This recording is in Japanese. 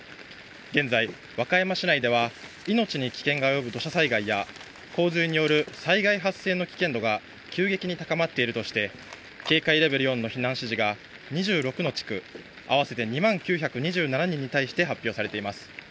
現在、和歌山市内では命に危険が及ぶ土砂災害や、洪水による災害発生の危険度が急激に高まっているとして、警戒レベル４の避難指示が２６の地区、合わせて２万９２７人に対して発表されています。